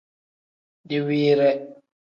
Diwiire.